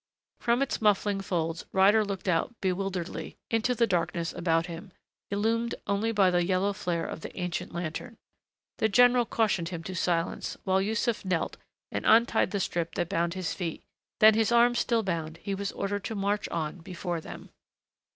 From its muffling folds Ryder looked out bewilderedly into the darkness about him, illumined only by the yellow flare of the ancient lantern. The general cautioned him to silence while Yussuf knelt and untied the strip that bound his feet, then, his arms still bound, he was ordered to march on before them.